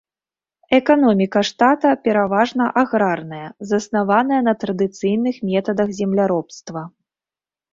Эканоміка штата пераважна аграрная, заснаваная на традыцыйных метадах земляробства.